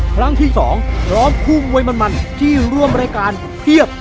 ครั้งที่๒ร้องคู่มวยมันที่ร่วมรายการเพียบ